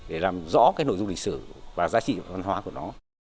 để làm rõ cái nội dung lịch sử và giá trị văn hóa của nó